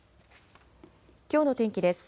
きょうの天気です。